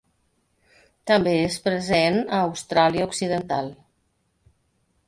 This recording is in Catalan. També és present a Austràlia Occidental.